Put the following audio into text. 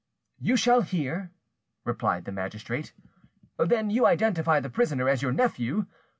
"You shall hear," replied the magistrate. "Then you identify the prisoner as your nephew?